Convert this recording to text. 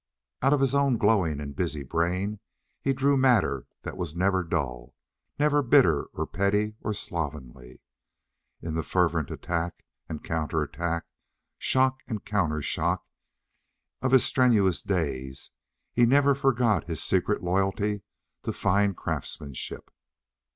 Out of his glowing and busy brain he drew matter that was never dull, never bitter or petty or slovenly. In the fervent attack and counter attack, shock and counter shock of his strenuous days he never forgot his secret loyalty to fine craftsmanship.